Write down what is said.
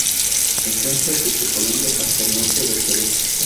Se encuentra desde Colombia hasta el norte del Perú.